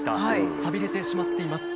寂れてしまっています。